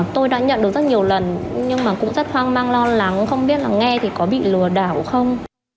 tôi đã nhận được rất nhiều lần nhưng mà cũng rất hoang mang lo lắng cũng không biết là nghe thì có bị lừa đảo không